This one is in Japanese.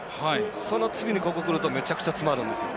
その次に、ここにくるとめちゃくちゃ詰まるんですよ。